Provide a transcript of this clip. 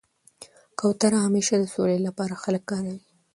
کوتره همېشه د سولي له پاره خلک کاروي.